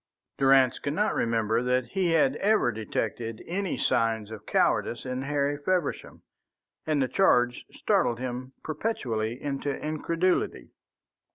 Durrance could not remember that he had ever detected any signs of cowardice in Harry Feversham, and the charge startled him perpetually into incredulity.